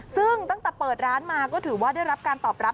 ซึ่งตั้งแต่เปิดร้านมาก็ถือว่าได้รับการตอบรับ